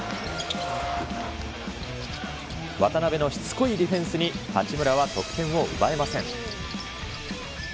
渡邊のしつこいディフェンスに八村は得点を奪えません。